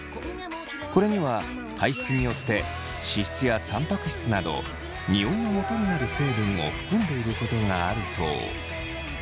これには体質によって脂質やタンパク質などニオイのもとになる成分を含んでいることがあるそう。